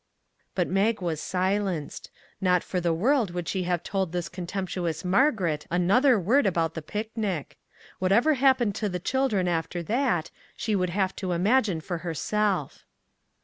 " But Mag was silenced; not for the world would she have told this contemptuous Mar 187 MAG AND MARGARET garet another word about the picnic. What ever happened to the children after that she would have to imagine for herself.